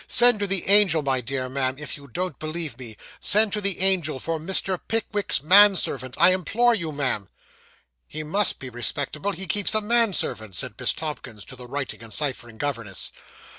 Send to the Angel, my dear ma'am, if you don't believe me. Send to the Angel for Mr. Pickwick's manservant, I implore you, ma'am.' 'He must be respectable he keeps a manservant,' said Miss Tomkins to the writing and ciphering governess.